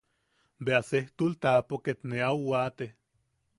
Bea sejtul taʼapo ket ne au waate.